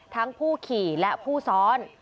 ผู้ขี่และผู้ซ้อน